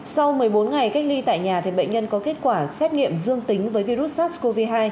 sau một mươi bốn ngày cách ly tại nhà bệnh nhân có kết quả xét nghiệm dương tính với virus sars cov hai